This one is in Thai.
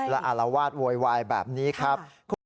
และอารวาสโวยวายแบบนี้ครับ